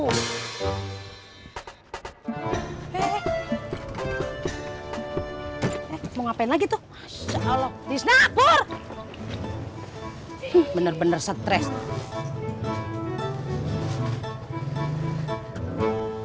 eh eh eh mau ngapain lagi tuh masya allah disana pur bener bener stress